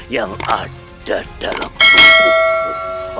yang ada dalam tubuhmu